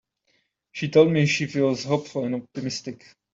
She told me she feels hopeful and optimistic.